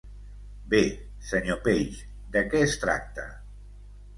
Bé, senyor Page, de què es tracta?